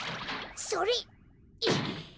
それ！